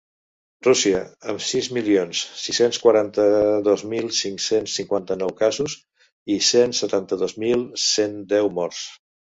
Rússia, amb sis milions sis-cents quaranta-dos mil cinc-cents cinquanta-nou casos i cent setanta-dos mil cent deu morts.